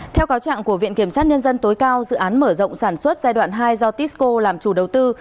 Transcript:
theo cáo trạng của viện kiểm sát nhân dân tối cao dự án mở rộng sản xuất giai đoạn hai do tisco làm chủ đầu tư